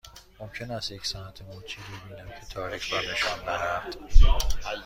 ممکن است یک ساعت مچی ببینم که تاریخ را نشان می دهد؟